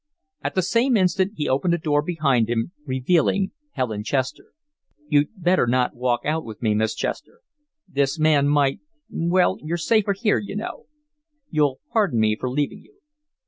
At the same instant he opened a door behind him, revealing Helen Chester. "You'd better not walk out with me, Miss Chester. This man might well, you're safer here, you know. You'll pardon me for leaving you."